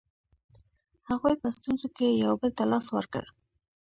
هغوی په ستونزو کې یو بل ته لاس ورکړ.